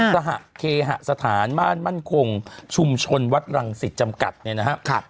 สหเคหสถานม่านมั่นคงชุมชนวัดรังสิตจำกัดเนี่ยนะครับ